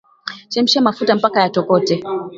Chemsha mafuta mpaka yatokote